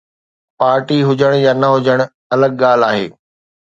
Party هجڻ يا نه هجڻ الڳ ڳالهه آهي.